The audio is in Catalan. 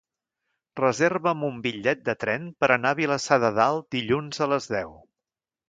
Reserva'm un bitllet de tren per anar a Vilassar de Dalt dilluns a les deu.